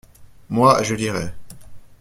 Moi, je lirai.